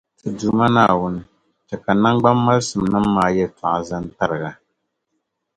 Ti Duuma, chɛ ka naŋgbammalisimnim’ maa yɛtɔɣa zan’ tariga.